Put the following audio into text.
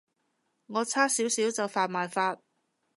我差少少就犯埋法